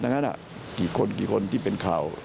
ดังนั้นอะกี่คนกี่คนที่เป็นข่าว